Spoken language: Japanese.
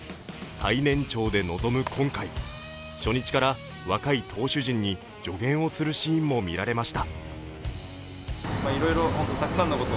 最年長で臨む今回、初日から若い投手陣に助言をするシーンも見られました。